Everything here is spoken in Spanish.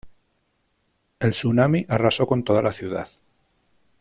El tsunami arrasó con toda la ciudad.